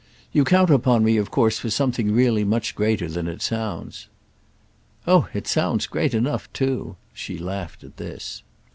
"You count upon me of course for something really much greater than it sounds." "Oh it sounds great enough too!" she laughed at this.